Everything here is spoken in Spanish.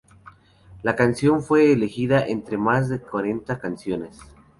La canción fue elegida entre más de cuarenta canciones.